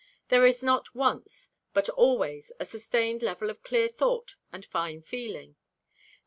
There is not once but always a "sustained level of clear thought and fine feeling."